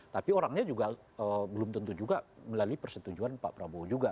tapi orangnya juga belum tentu juga melalui persetujuan pak prabowo juga